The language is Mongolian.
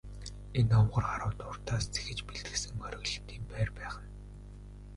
Энэ овгор харууд урьдаас зэхэж бэлтгэсэн хориглолтын байр байх нь.